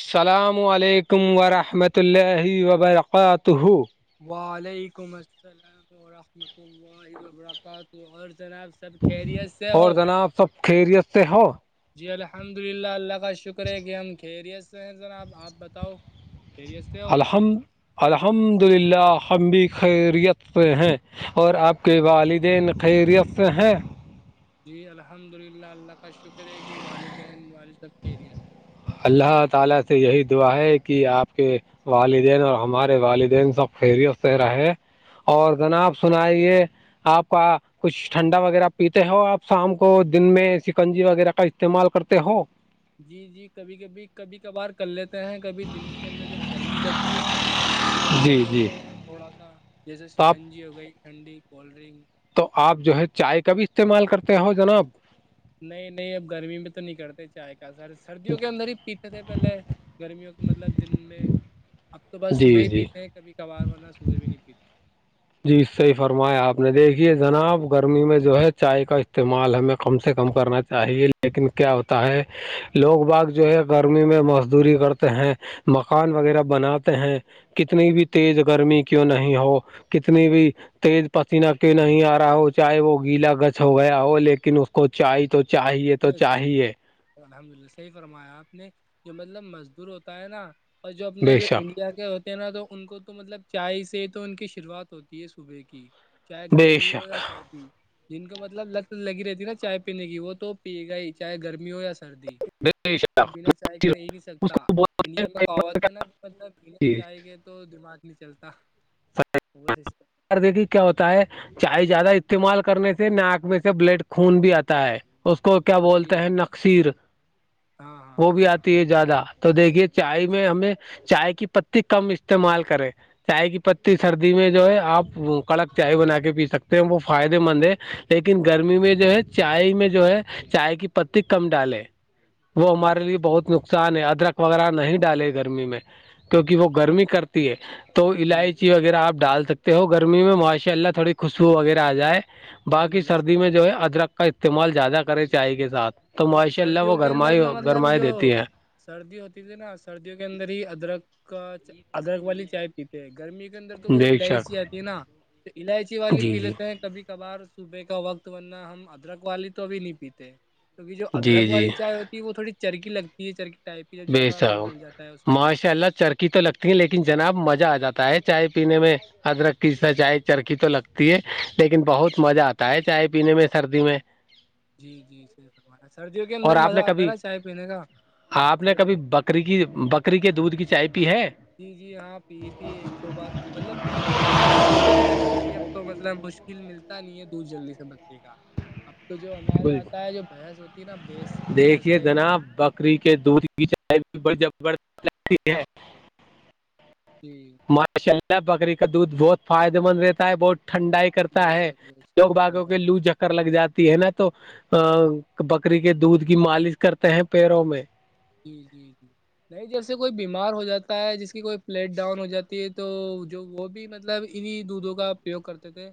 السلام علیکم ورحمۃ اللہ وبرکاتہ وعلیکم السلام ورحمۃ اللہ وبرکاتہ اور جناب سب خیریت سے اور ہو جنا آپ سب خیریت سے ہو جی الحمد للہ اللہ کا شکر ہے کہ ہم خیریت سے ہیں جناب آپ بتاؤ خیریت سے ہو الحم الحمد للہ ہم بھی خیریت ہیں اور آپ کے والدین خیریت سے ہیں جی الحمد للہ اللہ کا شکر ہے کہ والدین والد صب کے لیےت اللہ تعالی سے یہی دعا ہے کہ آپ کے والدین اور ہمارے والدین سب خیریت سے رہے اور جناب سنائیے آپ کا کچھ ٹھنڈا وغیرہ پیتے ہو آپ شام کو دن میں سکنجی وغیرہ کا استعمال کرتے ہو جی جی کبھی کبھی کبھی کبھار کر لیتے ہیں کبھی دن کے اندر جب گرمی لگتی ہے نا جب جی کر جی لیتے ہیں تھوڑا سا جیسے تو آپ شکنجی ہو گئی ٹھنڈی کولڈ ڈرنک تو آپ جو ہے چائے کا بھی استعمال کرتے ہو جناب نہیں نہیں اب گرمی میں تو نہیں کرتے چائے کا سر سردیوں کے اندر ہی پی تھے پہلے گرمیوں کے مطلب دن میں اب تو بعس جی صبح ہی جی پیتے ہیں کبھی کارورنا صبح بھی نہیں پیتا جی اس سےحی فرمایا آپ نے دیکھیے جناب گرمی میں جو ہے چائے کا استعمال ہمیں کم سے کم کرنا چاہیے لیکن کیا ہوتا ہے لوگ باغ جو ہے گرمی میں مزدوری کرتے ہیں مکان وغیرہ بناتے ہیں کتنی بھی تیز گرمی کیوں نہیں ہو کتنی بھی تیز پسیینہ کیوں نہیں آ رہا ہو چاہے وہ گیلا گز چھ ہو گیا ہو لیکن اس کو چی تو چاہیے بے تو شک چاہیے الحمد للہ صحیح فرمایا آپ نے جو مطلب مزدور ہوتا ہے نا اور جو اپنے بے جو ان شک کیا کیا ہوتے ہیں نا تو ان کو تو مطلب چائے سے تو ان کی شروعات ہوتی ہے صبح کی چاہے بے گرمی ہو شک یا سردی جن کو مطلب لت لگی رہتی ہے نا چائے پینے کی وہ تو پی گ ہی چاہے گرمی ہو یا سردی بے وہ شک بنا چائے کے رہ نہیں سکتا کو اس بولتے لیے ہمیں کہاوت ہے ہیں نا کہ مطلب بنا چائے کے تو دمات نہیں چلتا وہ سچتا دیکھی کیا ہوتا ہے چائے زیادہ استعمال کرنے سے ناک میں سے بلڈ خون بھی آتا ہے اس کو کیا بولتے جی ہیں جی نقشیر ہاں ہاں وہ ہاں بھی ہاں آتی ہے زیادہ تو دیکھیے بے چائے میں ہمیں چائے کی پتی کم استعمال کرے چائے کی پتی شک سردی میں جو ہے آپ کڑک چائے بنا کے پی سکتے ہیں وہ فائدے مند ہے لیکن گرمی میں جو ہے چائے میں جو ہے چائے کی پتی کم ڈالے وہ بے ہمارے شک. لیے بہت ن ادرک وغیرہ نہیں ڈالے گرمی میں کیونکہ وہ گرمی کرتے ہے تو جی الائچی وغیرہ آپ ڈال سکتے ہو گرمی میں ماشاء اللہ تھوڑی خوشبو جی جی وغیرہ آ جائے الحمد باقی للہ سردی صحیح میں فرما جو ہے ادرک کا استعمال زیادہ کرے چائے کے ساتھ وہی تو ماشاء اللہ وہ سردیوں کے اندر گرمائی نا مطلب گرمائی جو دیتی ہے سردی ہوتی تھی نا سردیوں کے اندر ہی ادرک کا ادرک والی چائے پیتے ہیں گرمی کے اندر تو وہ بے شک الائچی آتی ہے نا تو الائچی والی جی پی جی لیتے ہیں کبھی کبھار صبح کا وقت ورنا ہم ادرک والی تو بھی نہیں پیتے کیکہ جو جی ادرک جی والی چائے ہوتی ہے وہ تھوڑی چرکی لگتی ہے چرکیٹائپ کی جب بے زیادہ ادرک ڈل شک جاتا ہے اس کے اندر ماشاء اللہ چرکی تو لگتی ہے لیکن جناب مزہ آ جاتا ہے چائے پینے میں ادرک کی چائے چرخی تو لگتی ہے لیکن بہت مزہ آتا ہے چائے پینے میں سردی میں جی جی سردیوں کے اندر اور آپ مزہ نے آتا ہے کبھی نا چائے پینے کا آپ نے سردیوں کبھی میں بکری کی بکری کے دودھ کی چائے پی ہے جی جی ہاں پی تھی ایک دو بار مطلب پی تھی مطلب چھوٹے سے جب پی تھی اب تو مطلب ہم خشک کل ملتا نہیں ہے دودھ جلدی سے بی کا اب تو جو ہمارے بالکل آتا ہے جو بحنس ہوتی ہے نا بیس دیکھیے جناب بکری کے دودھ کی چائے بھی بر لگ ہے [unintelligible] جی ماشا اللہ بکری کا دودھ بہت فائدے مند رہتا ہے بہت ٹھنڈاائی کرتا بے ہے شک بے شک لوگ صحیح باغوں فرما کے رہے لو ہیں۔ چکر لگ جاتی ہے نا تو ا بکری کی دودھ کی مالش کرتے ہیں پیروں میں جی جی جی نہیں جیسے کوئی بیمار ہو جاتا ہے جس کی کوئی پلیٹ ڈاؤن ہو جاتی ہے تو جو وہ بھی مطلب انیں دودھوں کا اپیوگ کرتے تھے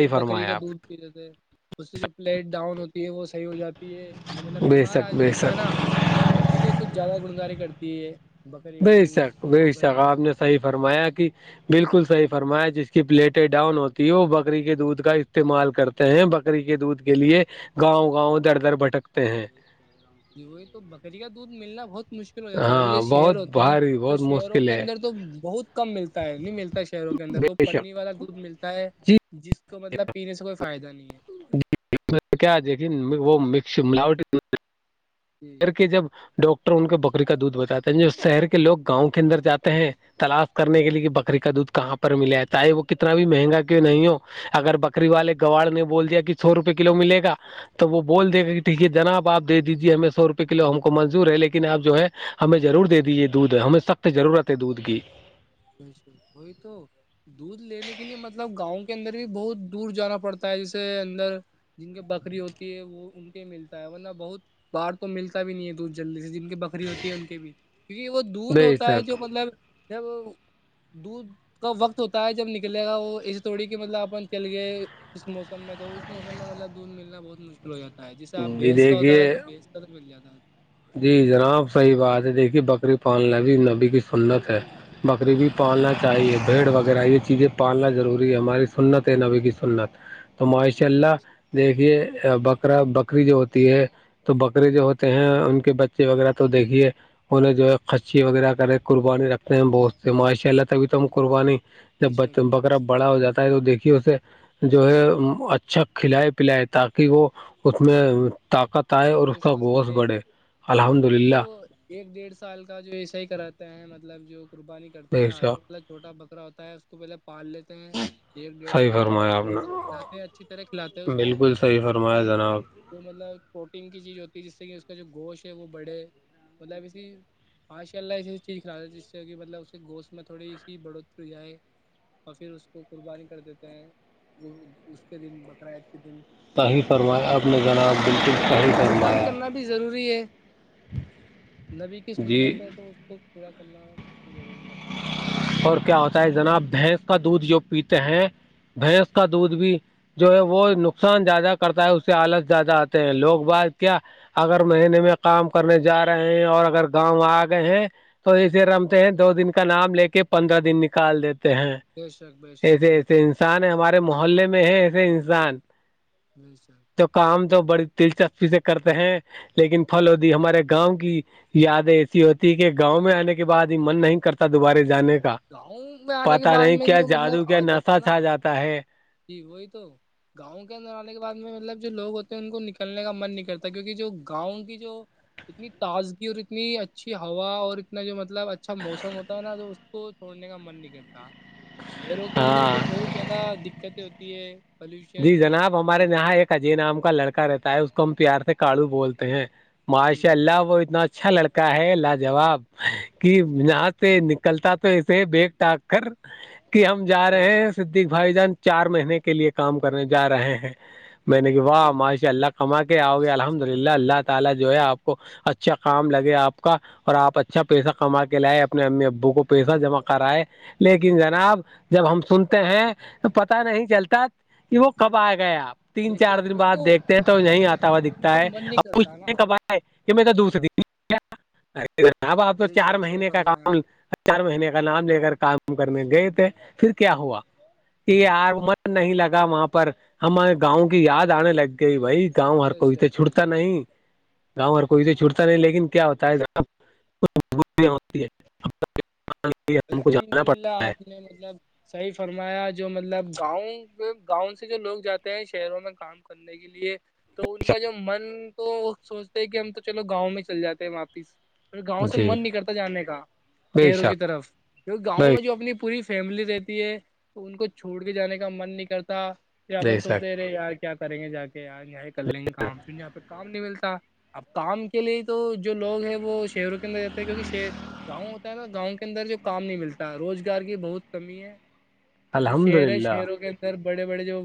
جو بکری فرمایا کا دودھ آپ پی لیتے ہیں اس سے جو پلیٹ ڈاؤن ہوتی ہے وہ صحیح ہو جاتی ہے جو مطلب بے بیمار شک آدمی بے ہوتا شک ہے نا تو اس کے لیے کچھ زیادہ گنگاری کرتی ہے بکری کا بے دودھ شک بے ہو شک گیا آپ نے صحیح فرمایا کہ یہ بالکل صحیح چیز فرمایا جس کی پلیٹیں ڈاؤن ہوتی ہے وہ بکری کے دودھ کا استعمال کرتے ہیں بکری کے دودھ کے لیے گاؤں گاؤں ا دھر ا دھر بھٹکتے ہیں یہی تو بکری کا دودھ ملنا بہت مشکل ہو جاتا ہے ابھی جو ہاں بہت شیر ہوتے ہیں بھاری تو بہت شہروں مشکل کے ہے اندر تو بہت کم ملتا ہے نہیں ملتا شہروں کے اندر تو بے شک پنی والا دودھ ملتا ہے جی جس کو مطلب پینے سے کوئی فائدہ نہیں ہے کیا دیکن وہ مس ملاوٹ [unintelligible] جی شہر کے جب ڈاکٹر ان کو بکری کا دودھ بتاتے ہیں جو شہر کے لوگ گاؤں کے اندر جاتے ہیں تلاش کرنے کے لیے کہ بکری کا دودھ کہاں پر ملا ہے چاہے وہ کتنا بھی مہنگا کی نہیں ہو اگر بکری والے گواڑ نے بول دیا کہ سو روپئے کلو ملے گا تو وہ بول دے گا کہ ٹھیک ہے جناب آپ دے دیجیے ہمیں سو روپئے کلو ہم کو منظور ہے لیکن آپ جو ہے ہمیں ضرور دے دیجے دودھ ہمیں سختضرورت ہے دودھ کی جش وہی تو دودھ لینے کے لیے مطلب گاؤں کے اندر بھی بہت دور جانا پڑتا ہے جیسے اندر جن کے بکری ہوتی ہے وہ ان کے ملتا ہے ورنہ بہت باہر تو ملتا بھی نہیں ہے دودھ جلدی سے جن کی بکری ہوتی ہے ان کے بھی کیونکہ وہ دودھ بے ہوتا ہے شک جو مطلب ج دودھ کا وقت ہوتا ہے جب نکلے گا وہ ایسے تھڑی کہ مطلب اپن چل گئے اس موسم میں تو اس موس میں مطلب دودھ ملنا بہت مشکل ہو جاتا جیسے آپ جی بھینس کا ہوتا ہے دیکھیے تو بھیس کا تک مل جاتا ہے جی جناب صحیح بات ہے دیکھیے بکری پالنا بھی نبی کی سنت ہے بکری بھی پالنا چاہیے بھیڑ وغیرہ یہ چیزیں پالنا ضروری ہے ہماری سنت ہے نبے کی سنت تو ماشاء اللہ دیکھیے بکرا بکری جو ہوتی ہے تو بکرے جو ہوتے ہیں ان بچے وغیرہ تو دیکھیے انہیں جو ہے خچی وغیرہ کریں قربانی رکھتے ہیں بہت اس سے ماشاء اللہ تبھی تم قربانی جب بکرا بڑا ہو جاتا ہے تو دیکھیے اسے جو ہے اچھا کھلائے پلائے تاکہ وہ اس میں طاقت تائے اور اس کا آ گوشت سکے بڑھے ہاں الحمد وہی تو للہ ایک ڈیڑھ سال کا جو ایسا ہی کراتا ہے مطلب جو قربانی کرتے بے ہیںا جو شک پہلا چھٹا بکر ہوتا ہے اس کو پہلے پارال لی سے ایک ڈیڑھ صحیح دو مہینے فرمایا آپ نے کھلاتے ہیں اچھی طرح کھلاتے ہیں اس کو بالکل صحیح فرمایا جناب وہ مطلب پروٹین کی چیز ہوتی ہے جس سے کہ اس کا جو گوشت ہے وہ بڑھے مطلب اسی ماشاء اللہ ایسیی چیز کھلاتے ہیں جس سے کہ مطلب اسس گوشت میں تھوڑی سی بڑھت ہو جائے اور پھر اس کو قربانی کر دیتے ہیں وہ اس کے دن بقر عید کے دن ت ہی فرمائے آپ نے ذناب بالکل صحیح قربانی فرمایا کرنا بھی ضروری ہے نبی کی جی سنت ہے تو اس کو پورا کرنا ضروری ہے اور کیا ہوتا ہے جناب بھینس کا دودھ جو پیتے ہیں بھینس کا دودھ بھی جو ہے وہ نقصان زیادہ کرتا ہے اس سے حالت زیادہ آتے ہیں لوگ بات کیا اگر مہینے میں کام کرنے جا رہے ہیں اور اگر گاؤں آ گئے ہیں توے رمتے ہیں دو دن کا نام لے کے پندرہ دن نکال دیتے ہیں بے شک بے شک ایسے صحیح ایسے انسان ہمارے محلے میں ہے ایسے انسان جی سر تو کام تو بڑی دلچسپی سے کرتے ہیں لیکن پھلودی ہمارے گاؤں کی یادیں ہوتی کہ وہی گاؤں میں تو آنے کے بعد ہی من نہیں کرتا دوبارے جانے کا گاؤں میں آنے کے پتا بعد نہیں میں کیا جو مطلب جادو کیا آ جاتا نشہ ہ نا چھا جاتا ہے ج وہی تو گاؤں کے اندر آنے کے بعد میں مطلب جو لوگ ہوتے ہیں ان کو نکلنے کا من نہیں کرتا کیونکہ جو گاؤں کی جو اتنی تازگی اور اتنی اچھی ہوا اور انا جو مطلب اچھا موسم ہوتا ہے نا تو اس کو چھوڑنے کا من نہیں کرتا شہروں کے اندر ہاں تو بہت زیادہ دقتیں ہوتی ہے جی پالوشن جناب ہمارے یہاں ایک اجے نام کا لڑکا رہتا ہے اس کو ہم پیار سے کاالو بولتے ہیں جی ماشاء اللہ وہ اتنا اچھا لڑکا ہے لاجواب کہ جی سے نکلتا تو اسے بیگ ٹاگ کر کہ ہم جا بے رہے ہیں شک س بھائی جان چار مہینے کے لیے کام کرنے جا رہے ہیں میں نے کہ واہ معاشی اللہ کما کے آؤ بے گے شک الحمد للہ اللہ تعالی جو ہے آپ کو اچھا کام لگے آپ کا اور آپ اچھا پیسہ کما کے لائے اپنے امی ابو کو پیسہ جمع کرائے لیکن جناب جب ہم سنتے ہیں تو پت نہیں چلتا کہ وہ کب آئے گئے آپ تین بے چار شک دن وہی بعد تو دیکھتے ہیں تو یہ گاؤں کو آتا ہوا چھوڑنے دکھتا کا ہے من نہیں اب کرتا نا پوچھتے کبھار کہ میں تو دوسر د ارے جناب آپ تو بے چار شک صحیح مہینے کا فرمایا آپ کام چار مہینے کا نام لے کر کام کرنے گئے تھے پھر کیا ہوا کہ آپ من نہیں لگا وہاں پر ہمارے گاؤں کی یاد آنے لگ گئی بھائی گاؤں ہر بے کوئیت تو شک بے چھٹتا شک بے نہیں گاؤں ہر شک۔ کوئیے چھوٹتا لیکن کیا ہوتا ہے ذ ہو الحمد للہ آپ نے مطلب صحیح فرمایا جو مطلب گاؤں گاؤں سے جو لوگ جاتے ہیں شہروں میں کام کرنے کے لیے تو ان کا جو من تو سوچتے ہے کہ ہم تو چلو گاؤں میں چل جاتے ہیں واپس پھر گاؤں سے جی من نہیں کرتا جانے کا بے شہروں کی شک طرف کی گاؤں بے میں جو اپنی پوری فیملی رہتی ہے تو ان کو چھوڑ کے جانے کا من نہیں کرتا پ بے اپن سوچتے شک رہے یار کیا کریں گے جا کے یار یہاں کر لیں گے کام پھر یہاں پہ کام نہیں ملتا اب کام کے لیے تو جو لوگ ہے وہ شہیروں کے اندر رہتے ہیں کیونکہ ش گاؤں ہوتا ہے تو گاؤں کے اندر جو کام نہیں ملتا روزگار کی بہت کمی ہے اور جو الحمد شیئر ہے للہ شہروں کے اندر بڑے بڑے جو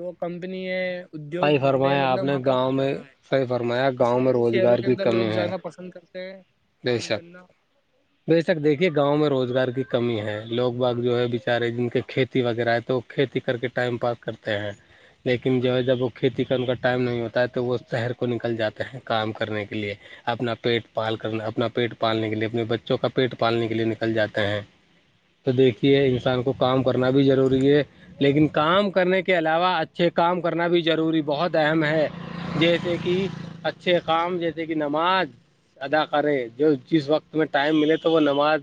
وہ کمپنی ہے ادیوگ صحیح دھندے فرمایا آپ مطلب نے وہاں پر گاؤں کچھ میں زیادہ ہے صحیح فرمایا اس گاؤں میں وجہ سے شہروں روزگار کے اندر لوگ جانا پسند کرتے ہیں ب کام شخ کرنا بےشک دیکھیے گاؤں میں روزگار کی کمی ہے لوگ باغ جو ہے بچارے جن کے کھیتی وغیرہ ہے تو کھیتی کر کے ٹائم پاس کرتے ہیں [inaudible] لیکن جو ہے جب وہ کھیتی کر کا ٹائم نہیں ہوتا ہے تو وہ شہر کو نکل جاتا ہیں کام کرنے کے لیے اپنا پیٹ پال کر کرنا اپنا پیٹ پالنے کے لیے اپنے بچوں کا پیٹ پالنے کے لیے نکل جاتے ہیں تو دیکھیے انسان کو کام کرنا بھی ضروری ہے لیکن کام کرنے کے علاوہ اچھے کام کرنا بھی ضروری بہت اہم ہے بے جیسے شک کہ بے شک اچھے کام جیسے کہ نماز ادا کرے جو جس وقت میں ٹائم ملے تو وہ نماز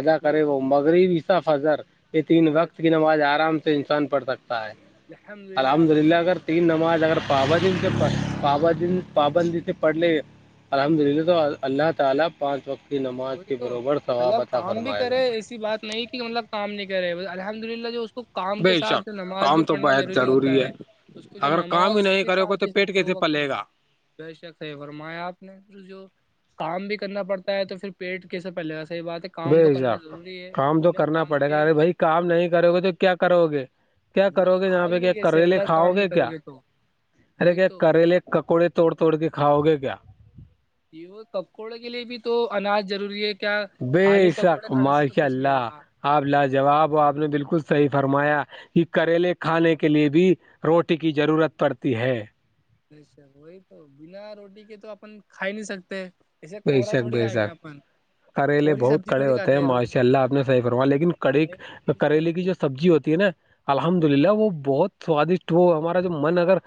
ادا وہی کرے تو وہ وقت غریبیا فضر یہ تین وقت بس کی یار، نماز آرام سے انسان پڑھ سکتا ہے الحمد آپ نے للہ صحیح اگر تین بتایا نماز اگر پاوا ج ان کے پاس بابا جی پابندی سے پڑھ لے الحمدللہ تو اللہ تعالی پانچ کی نماز وہی کے تو بروبر مطلب ثوابطہ کام بھی فرمائے گا کرے ایسی بات نہیں کہ ہمطلب کام نہیں کر رہے الحمد للہ جو اس کو کام کے بے ساتھ شک جو نماز بھی کام تو پڑھنا بےحد ضروری ہوتا ہے اس کو جو اگر کام ہی نماز نہیں کے کرو گے ساتھ تو ف پیٹ دو کیسے وقت ن پلے گا ہمارا بے شک ہے فرمایا آپ نے پھر جو کام بھی کرنا پڑتا ہے تو پھر پیٹ کیسے پہےاح بات ہے کام تو بجا کرنا ضروری ہے کام تو بنا کرنا کام پڑے گا کے ارے بھائی کام نہیں کرو گے تو کیا کرو گے کیا وہی کرو تو گے یہاں پہ کھائیں کہ کیسے کریلے اگر کام کھاؤ نہیں گے کرو کیا تو ارے وہی کہ تو کریلے ککوڑے توڑ توڑ کے کاؤ گے کیا یہ وہ پکوڑے کے لیے بھی تو اناج ضروری ہے کیا خالی پکوڑے کھانے سے بےثکمار تو کے کچھ نہیں اللہ ہوگا آپ لاجاب ہو آپ نے بالکل صحیح فرمایا یہ کریلے کھانے کے لیے بھی روٹی کی ضرورت پڑتی ہے چھا وہی تو بنا روٹی کے تو اپن کھائی نہیں سکتے جسے بے کورا شک تھوڑی بے کھائیں گے شک اپن کریلے کوری بہت سبزی کڑے تھوڑی ہوتے کھاتے ہیں روٹی ماشاء سے تو اللہ آپ نے کھاتے ہیں صحیح فرما لیکن کڑی مین چیز تو کریلے کی روٹی ہوتی جو سبزی ہوتی ہے نا الحمد للہ وہ بہت سوادشٹ وہ ہمارا جو من اگر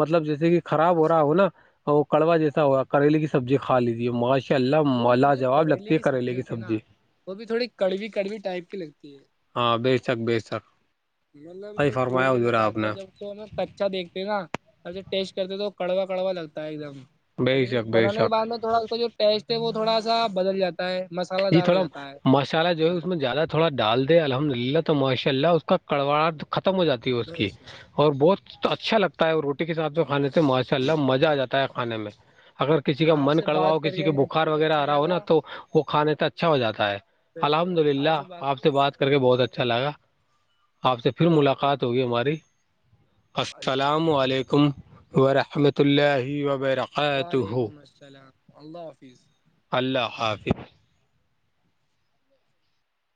مطلب ہے۔ جیسے کہ خراب جی جی ہو رہا ہو نا وہ کڑوا جیسا ہوا کریے کی سبزی کا لیجیے ماش ان شاء اللہ وہ مالا مجھے جواب لگتی ہے کریلے کی ہوتی ہے نا سبزی وہ بھی تھوڑی کڑوی کڑوی ٹائپ کی لگتی ہے ہاں بے شک بے سک [unintelligible] مطلب جو توڑ کے لے کے آتے نے ہیں جب تو ہم کچا دیکھتے ہیں نا اور ٹیسٹ کرتے ہیں تو کڑوا کڑوا لگتا ہے ایک دم [unintelligible] اور بے جی شک بے بنان کے شک بعد تھوڑا اس کا جو ٹیسٹ ہے وہ تھوڑا سا بدل جاتا ہے مسالہ جی دار ہو تھوڑا جاتا ہے مصالحہ جو ہے اس میں زیادہ تھوڑا ڈال دے الحمد للہ تو ماشاء اللہ اس کا کڑواڑ ختم ہو جاتی ہے اس کی اور بہت اچھا لگتا ہے وہ روٹی کے ساتھ میں کھانے سے ماشاء اللہ مزہ آ جاتا ہے کھانے میں اگر کسی اور کا آپ من سے کڑوا ہو بات کر کسی کے ہمیں بخار بہت وغیرہ اچھا آ رہا ہو نا لگا تو وہ کھانے سے اچھا ہو جاتا ہے الحمد للہ آپ سے بات کر کے بہت اچھا لگا آپ سے پھر خدا حافظ ملاقات ہوگی ہماری اللہ السلام حافظ علیکم ورحمۃ اللہ وبرکاتہ وعلیکم السلام اللہ حافظ اللہ حافظ